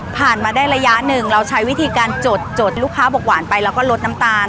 ผ่านมาได้ระยะหนึ่งเราใช้วิธีการจดจดลูกค้าบอกหวานไปแล้วก็ลดน้ำตาล